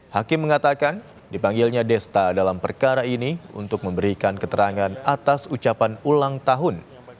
hakim mengatakan dipanggilnya desta dalam perkara ini untuk memberikan keterangan atas ucapan ulang tahun